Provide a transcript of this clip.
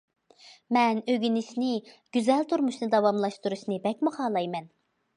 ‹‹ مەن ئۆگىنىشنى، گۈزەل تۇرمۇشنى داۋاملاشتۇرۇشنى بەكمۇ خالايمەن››.